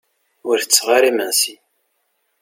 Ur tetteɣ ara imensi.